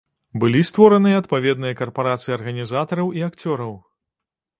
Былі створаныя адпаведныя карпарацыі арганізатараў і акцёраў.